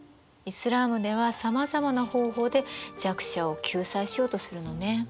イスラームではさまざまな方法で弱者を救済しようとするのね。